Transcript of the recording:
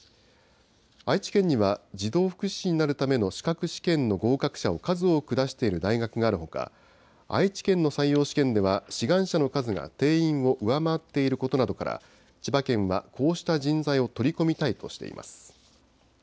愛知県には児童福祉司になるための資格試験の合格者を数多く出している大学があるほか、愛知県の採用試験では志願者の数が定員を上回っていることなどから、千葉県はこうした人材を取り込みたいとしています。